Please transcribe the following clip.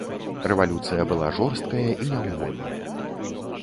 Рэвалюцыя была жорсткая і няўмольная.